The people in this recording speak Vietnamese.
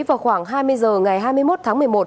vào khoảng hai mươi h ngày hai mươi một tháng một mươi một